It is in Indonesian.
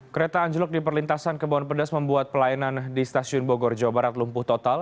kereta anjlok di perlintasan kebon pedas membuat pelayanan di stasiun bogor jawa barat lumpuh total